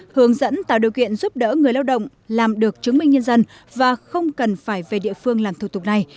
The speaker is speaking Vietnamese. hướng dẫn tạo điều kiện giúp đỡ người lao động làm được chứng minh nhân dân và không cần phải về địa phương làm thủ tục này